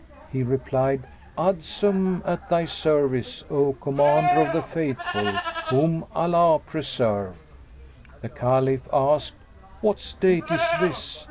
He replied, "Adsum, at thy service, O Commander of the Faithful, whom Allah preserve!" The Caliph asked, "What state is this?"